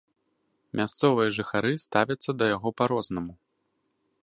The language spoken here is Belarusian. Мясцовыя жыхары ставяцца да яго па-рознаму.